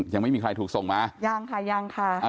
ยังไม่มีใครถูกส่งมายังค่ะยังค่ะ